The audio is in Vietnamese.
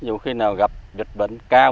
dù khi nào gặp dịch bệnh cao